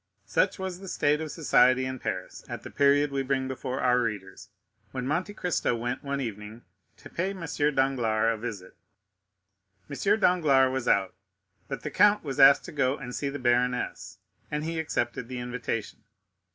Such was the state of society in Paris at the period we bring before our readers, when Monte Cristo went one evening to pay M. Danglars a visit. M. Danglars was out, but the count was asked to go and see the baroness, and he accepted the invitation.